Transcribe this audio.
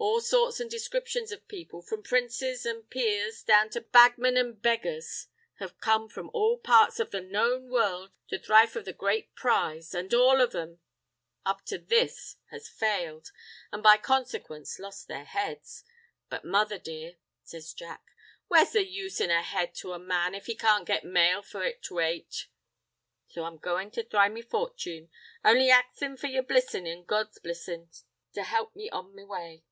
All sorts and descriptions of people, from prences an' peers down to bagmen an' beggars, have come from all parts of the known world to thry for the great prize, an' all of them up to this has failed, an' by consequence lost their heads. But, mother dear," says Jack, "where's the use in a head to a man if he can't get mail for it to ate? So I'm goin' to thry me fortune, only axin' your blissin' an' God's blissin' to help me on the way."